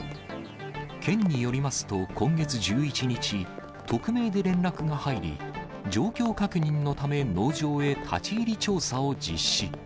県によりますと、今月１１日、匿名で連絡が入り、状況確認のため農場へ立ち入り調査を実施。